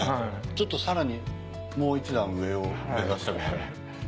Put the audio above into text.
ちょっとさらにもう一段上を目指したくなる。